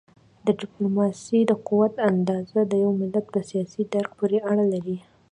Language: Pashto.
د ډیپلوماسی د قوت اندازه د یو ملت په سیاسي درک پورې اړه لري.